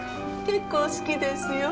結構好きですよ。